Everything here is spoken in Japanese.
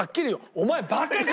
お前バカか？